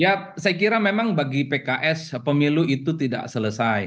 ya saya kira memang bagi pks pemilu itu tidak selesai